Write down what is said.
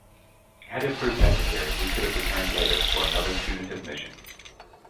Had it proved necessary, we could have returned later for another punitive mission.